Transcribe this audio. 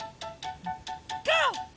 ゴー！